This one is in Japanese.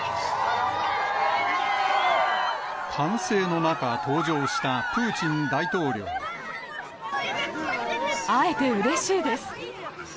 歓声の中、登場したプーチン会えてうれしいです。